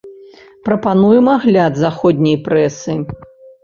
Прапануем агляд заходняй прэсы.